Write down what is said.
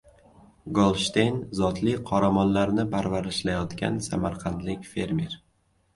“Golshteyn” zotli qoramollarni parvarishlayotgan samarqandlik fermer